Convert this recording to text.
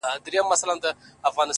o چي بیا يې ونه وینم ومي نه ويني،